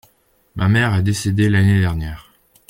Ma mère est décédée l’année dernière.